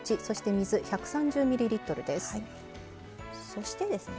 そしてですね